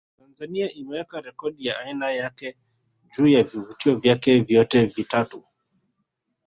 Tanzania imeweka rekodi ya aina yake juu ya vivutio vyake vyote vitatu